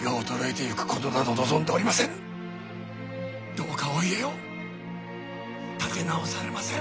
どうかお家を立て直されませ！